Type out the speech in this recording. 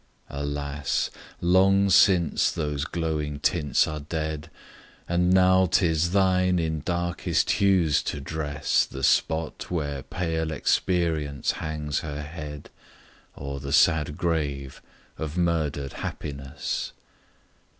Alas! long since those glowing tints are dead, And now 'tis thine in darkest hues to dress The spot where pale Experience hangs her head O'er the sad grave of murder'd Happiness!